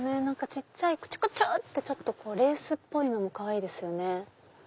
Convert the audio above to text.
小っちゃいクチュクチュ！ってレースっぽいのかわいいですね。